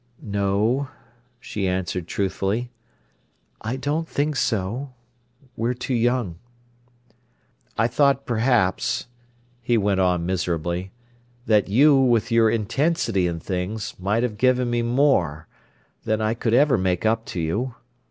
"No," she answered truthfully. "I don't think so—we're too young." "I thought perhaps," he went on miserably, "that you, with your intensity in things, might have given me more—than I could ever make up to you.